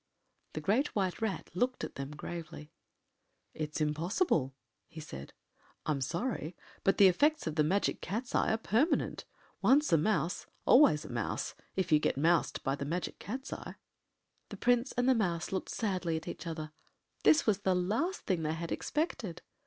” The Great White Rat looked at them gravely. “It’s impossible,” he said. “I am sorry, but the effects of the Magic Cat’s eye are permanent. Once a mouse, always a mouse, if you get moused by the Magic Cat’s eye.” The Prince and the Mouse looked sadly at each other. This was the last thing they had expected.